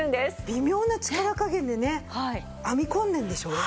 微妙な力加減でね編み込んでるんでしょ。